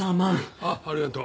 あっありがとう。